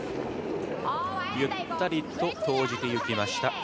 ゆったりと投じていきました